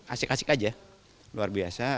asik asik aja luar biasa